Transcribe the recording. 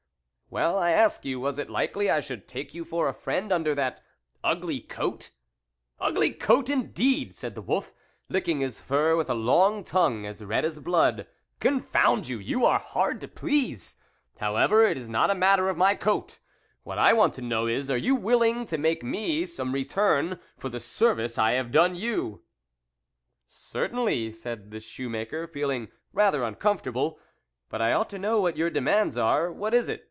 " Well, I ask you, was it likely I should take you for a friend under that ugly coat ?"" Ugly coat, indeed !" said the wolf, licking his fur with a long tongue as red as blood. " Confound you ! You are hard to please. However, it's not a mat ter of my coat ; what I want to know is, THE WOLF LEADER are you willing to make me some return for the service I have done you ?" "Certainly," said the shoe maker, feeling rather uncomfortable !" but I ought to know what your demands are. What is it